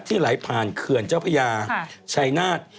ที่หลายพานเคือนเจ้าพระยาชัยนาฏ